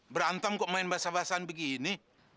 berantem kok main bahasa bahasan begini